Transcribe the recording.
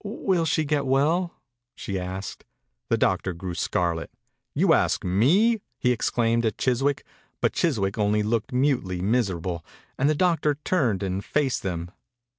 "Will she get well? she asked. The doctor grew scarlet. "You ask me? he exclaimed at Chiswick, but Chiswick only looked mutely miserable, and the doctor turned and faced them.